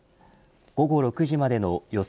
午後６時までの予想